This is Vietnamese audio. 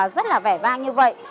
rất là vẻ vang như vậy